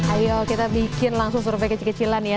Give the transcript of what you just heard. ayo kita bikin langsung survei kecil kecilan ya